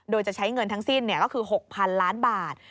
โดยจะใช้เงินทั้งสิ้นก็คือ๖๐๐๐ล้านบาท